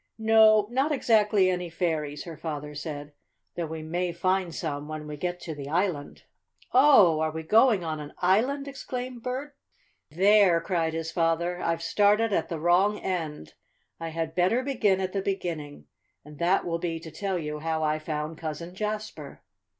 "No, not exactly any fairies," her father said; "though we may find some when we get to the island." "Oh, are we going on an island?" exclaimed Bert. "There!" cried his father, "I've started at the wrong end. I had better begin at the beginning. And that will be to tell you how I found Cousin Jasper.